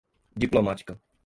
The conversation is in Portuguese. diplomática